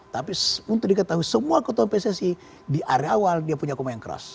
tapi untuk diketahui semua ketua pssi di area awal dia punya koma yang keras